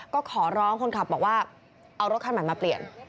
ก็ขอร้องคนขับบอกว่าเอารถคันใหม่มาเปลี่ยน